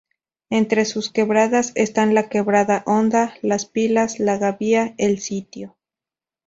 Entre sus quebradas están la quebrada Honda, Las Pilas, La Gavia, El Sitio.